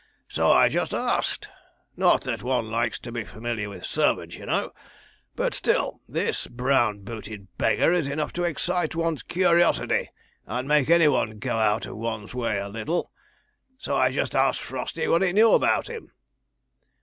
So I just asked not that one likes to be familiar with servants, you know, but still this brown booted beggar is enough to excite one's curiosity and make any one go out of one's way a little so I just asked Frosty what he knew about him.